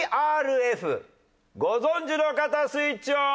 ＴＲＦご存じの方スイッチオン！